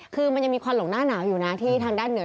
คือมันยังมีควันหลงหน้าหนาวอยู่นะที่ทางด้านเหนือ